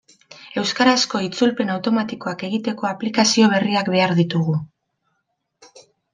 Euskarazko itzulpen automatikoak egiteko aplikazio berriak behar ditugu.